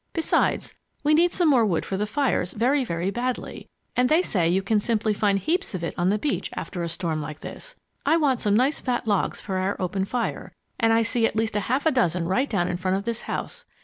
Besides, we need some more wood for the fires very, very badly and they say you can simply find heaps of it on the beach after a storm like this. I want some nice fat logs for our open fire, and I see at least a half dozen right down in front of this house.